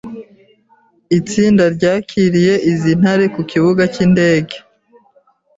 itsinda ryakiriye izi ntare ku kibuga cy’indege